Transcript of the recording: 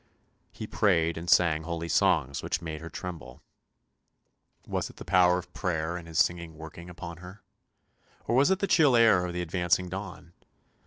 He prayed and sang holy songs which made her tremble. Was it the power of prayer and his singing working upon her, or was it the chill air of the advancing dawn?